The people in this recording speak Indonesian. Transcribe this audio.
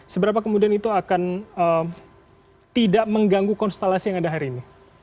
seberapa kemudian itu akan tidak mengganggu konstelasi yang ada hari ini